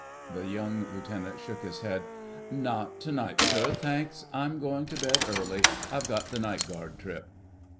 The young Lieutenant shook his head. "Not to night, sir, thanks. I'm going to bed early: I've got the Night Guard trip."